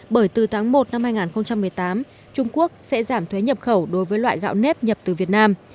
bởi từ tháng một năm hai nghìn một mươi tám trung quốc sẽ giảm thuế nhập khẩu đối với loại gạo nếp nhập từ việt nam